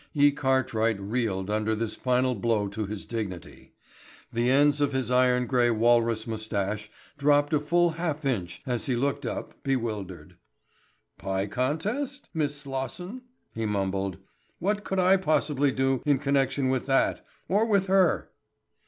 E. Cartwright reeled under this final blow to his dignity. The ends of his iron grey walrus moustache dropped a full half inch as he looked up, bewildered. "Pie contest—Miss Slosson," he mumbled. "What could I possibly do in connection with that, or with her?"